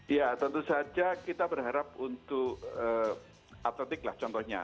ya tentu saja kita berharap untuk atletik lah contohnya